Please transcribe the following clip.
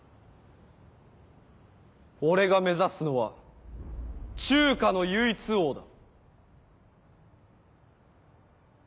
俺が目指すのは中華の唯一王だ。